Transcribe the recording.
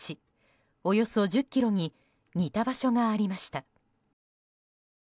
およそ１０ｋｍに似た場所がありました。